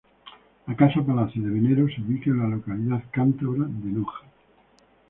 La casa-palacio de Venero se ubica en la localidad cántabra de Noja.